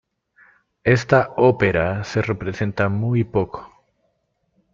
Esta ópera se representa muy poco.